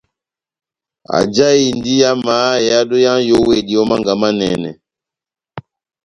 Ajahindi amaha ehádo yá nʼyówedi ó mánga manɛnɛ.